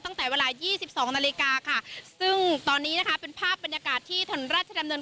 ตั้งแต่เวลายี่สิบสองนาฬิกาค่ะซึ่งตอนนี้นะคะเป็นภาพบรรยากาศที่ถนนราชดำเนิน